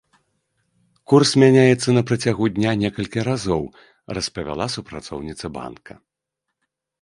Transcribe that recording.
Курс мяняецца на працягу дня некалькі разоў, распавяла супрацоўніца банка.